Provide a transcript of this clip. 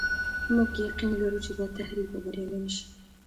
موږ يقين لرو چې دا تحریک به بریالی نه شي.